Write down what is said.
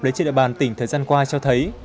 lấy trên địa bàn tỉnh thời gian qua cho thấy